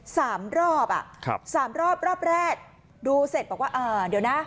สามรอบอ่ะครับสามรอบรอบแรกดูเสร็จบอกว่าอ่าเดี๋ยวนะ